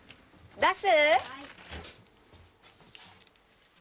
出す？